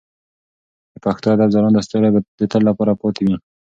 د پښتو ادب ځلانده ستوري به د تل لپاره پاتې وي.